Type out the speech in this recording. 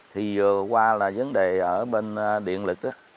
thì vừa qua là vấn đề ở bên điện lực á